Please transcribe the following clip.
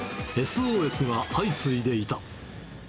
ＳＯＳが相次いでいた。